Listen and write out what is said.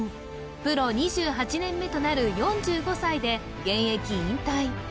プロ２８年目となる４５歳で現役引退